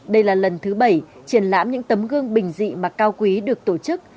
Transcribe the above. đây là lần thứ bảy triển lãm những tấm gương bình dị mà cao quý được tổ chức